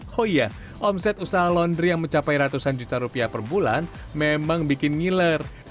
oh iya omset usaha laundry yang mencapai ratusan juta rupiah per bulan memang bikin ngiler